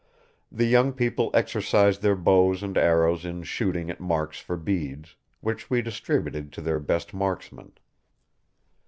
The young people exercised their bows and arrows in shooting at marks for beads, which we distributed to their best marksmen.